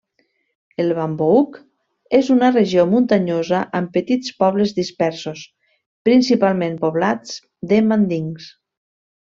El Bambouk és una regió muntanyosa, amb petits pobles dispersos, principalment poblats de mandings.